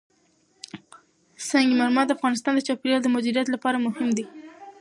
سنگ مرمر د افغانستان د چاپیریال د مدیریت لپاره مهم دي.